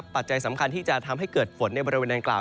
ปัจจัยสำคัญที่จะทำให้เกิดฝนในบริเวณดังกล่าว